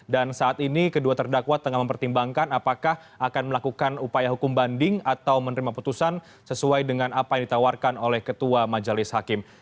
dan saat ini kedua terdakwa tengah mempertimbangkan apakah akan melakukan upaya hukum banding atau menerima putusan sesuai dengan apa yang ditawarkan oleh ketua majelis hakim